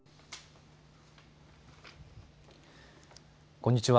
こんにちは。